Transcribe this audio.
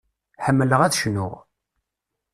Ḥemmleɣ ad cnuɣ.